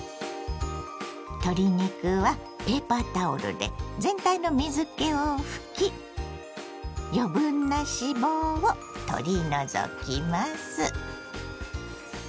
鶏肉はペーパータオルで全体の水けを拭き余分な脂肪を取り除きます。